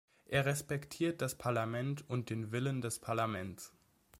Er respektiert das Parlament und den Willen des Parlaments.